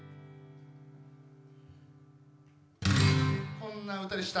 こんな歌でした。